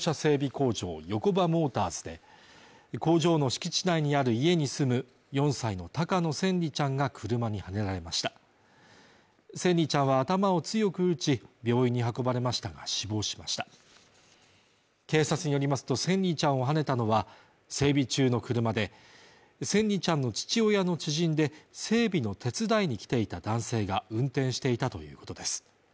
工場ヨコバモーターズで工場の敷地内にある家に住む４歳の高野千椋ちゃんが車にはねられました千椋ちゃんは頭を強く打ち病院に運ばれましたが死亡しました警察によりますと千椋ちゃんをはねたのは整備中の車で千椋ちゃんの父親の知人で整備の手伝いに来ていた男性が運転していたということです